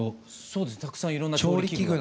そうですねたくさんいろんな調理器具が。